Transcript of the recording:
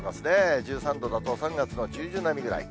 １３度だと３月の中旬並みぐらい。